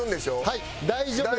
はい大丈夫です。